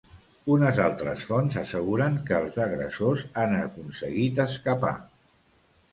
Unes altres fonts asseguren que els agressors han aconseguit escapar.